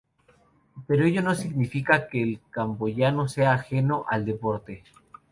Pero ello no significa que el camboyano sea ajeno al deporte.